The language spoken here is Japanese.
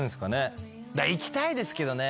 いきたいですけどね。